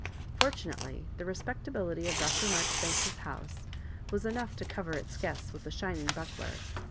Fortunately the respMtability of Dr. Marjoribanks's house was enough to. cover its guests with a shining buckler.